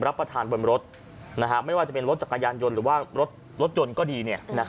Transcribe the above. รับประทานบนรถไม่ว่าจะเป็นรถจักรยานยนต์หรือว่ารถยนต์ก็ดี